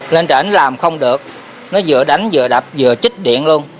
lên tỉnh làm không được nó vừa đánh vừa đập vừa chích điện luôn